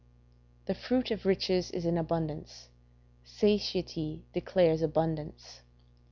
["The fruit of riches is in abundance; satiety declares abundance."